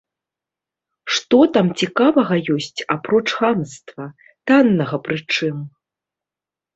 Што там цікавага ёсць апроч хамства, таннага прычым?